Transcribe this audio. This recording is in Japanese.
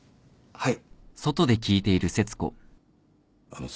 はい？